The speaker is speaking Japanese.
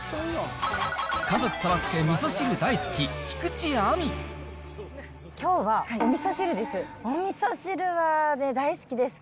家族そろってみそ汁大好き、きょうはおみそ汁です。